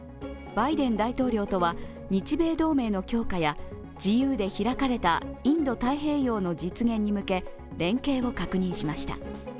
バイデン大統領とは、日米同盟の強化や自由で開かれたインド太平洋の実現に向け連携を確認しました。